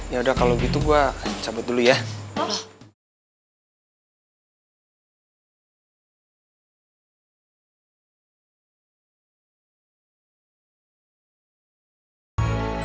ya udah kalau gitu gue cabut dulu ya